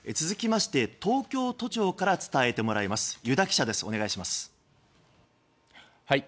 続きまして東京都庁から伝えてもらいます。